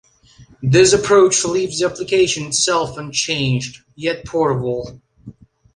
This approach leaves the application itself unchanged, yet portable.